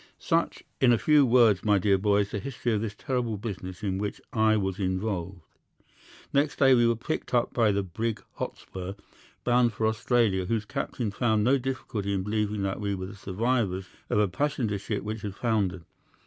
"'Such, in a few words, my dear boy, is the history of this terrible business in which I was involved. Next day we were picked up by the brig Hotspur, bound for Australia, whose captain found no difficulty in believing that we were the survivors of a passenger ship which had foundered.